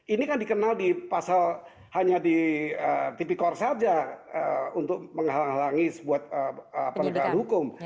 ini kan dikenal hanya di tv kor saja untuk menghalangi penegakan hukum